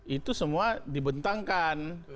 itu semua dibentangkan